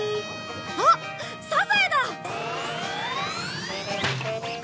あっサザエだ！